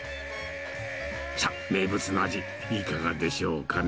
さあ、名物の味、いかがでしょうかな。